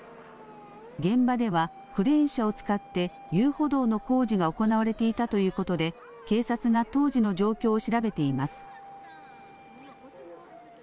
現場ではクレーン車を使って遊歩道の工事が行われていたということで警察が当時の状況を調べています。